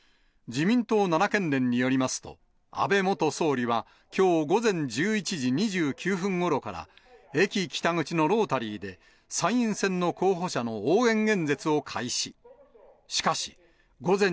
自民党奈良県連によりますと、安倍元総理はきょう午前１１時２９分ごろから、駅北口のロータリーで、参院選の候補者の応援演説を開始。